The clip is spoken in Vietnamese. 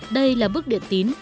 đây là bước điện tín